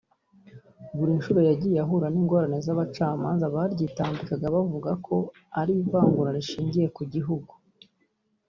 Buri nshuro yagiye ahura n’ingorane z’abacamanza baryitambikaga bavuga ko ari ivangura rishingiye ku gihugu